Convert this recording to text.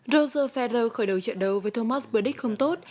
roger federer khởi đầu trận đấu với thomas burdick không tốt